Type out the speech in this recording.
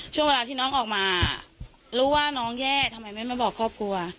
ช่วงเวลาที่น้องออกมารู้ว่าน้องแย่ทำไมไม่มาบอกครอบครัว